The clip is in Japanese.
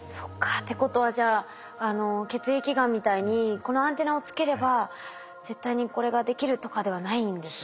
っていうことはじゃあ血液がんみたいにこのアンテナをつければ絶対にこれができるとかではないんですね。